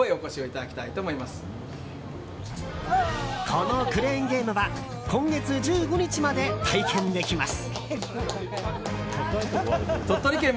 このクレーンゲームは今月１５日まで体験できます。